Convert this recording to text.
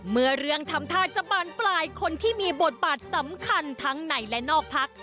เมื่อเรื่องทำท่าจะบานปลายคนที่มีบทบาทสำคัญทั้งในและนอกพัก